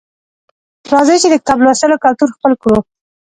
راځئ چې د کتاب لوستلو کلتور خپل کړو